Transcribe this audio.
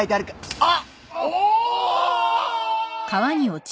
あっ。